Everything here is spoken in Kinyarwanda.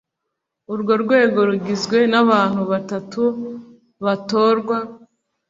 urwo rwego rugizwe n abantu batatu batorwa